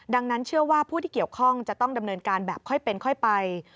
ดังนั้นเชื่อว่าผู้ที่เกี่ยวข้องจะต้องดำเนินการแบบค่อยเป็นค่อยไป